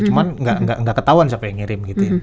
cuma nggak ketahuan siapa yang ngirim gitu ya